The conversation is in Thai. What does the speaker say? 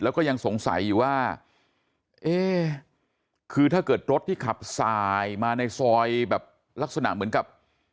แล้วก็ยังสงสัยอยู่ว่าเอ๊คือถ้าเกิดรถที่ขับสายมาในซอยแบบลักษณะเหมือนกับ